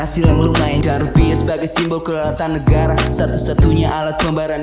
hasil yang lumayan jangan rupiah sebagai simbol kelelatan negara satu satunya alat pembayaran